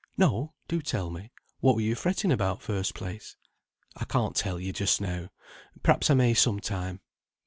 "No; do tell me. What were you fretting about, first place?" "I can't tell you just now; perhaps I may sometime."